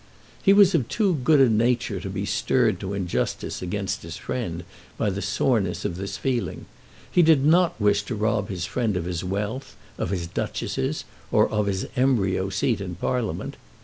He was of too good a nature to be stirred to injustice against his friend by the soreness of this feeling. He did not wish to rob his friend of his wealth, of his Duchesses, or of his embryo seat in Parliament.